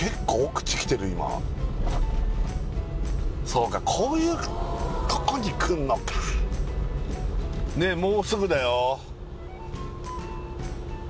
そうかこういうとこに来んのかねっもうすぐだよ